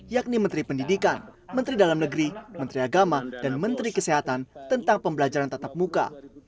yakni menteri pendidikan menteri dalam negeri menteri agama dan menteri kesehatan tentang pembelajaran tatap muka